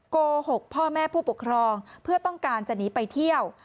โกหกพ่อแม่ผู้ปกครองเพื่อต้องการจะหนีไปเที่ยว